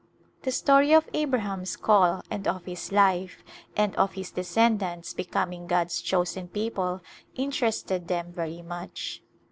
The story of Abraham's call and of his life, and of his descendants becoming God's chosen people inter ested them very much.